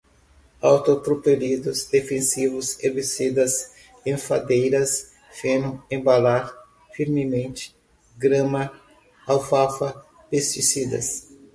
autopropelidos, defensivos, herbicidas, enfardadeiras, feno, embalar, firmemente, grama, alfafa, pesticidas